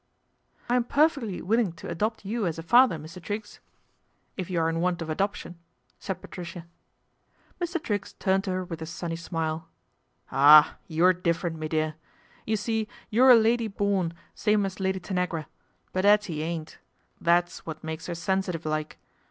I am perfectly willing to adopt you as a 226 PATRICIA BRENT, SPINSTER father, Mr. Triggs, if you are in want of adoption," said Patricia. Mr. Triggs turned to her with a sunny smile. " Ah ! you're different, me dear. You see you're a lady born, same as Lady Tanagra ; but 'Ettie ain't. That's what makes 'er sensitive like.